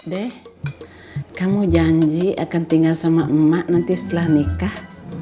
deh kamu janji akan tinggal sama emak nanti setelah nikah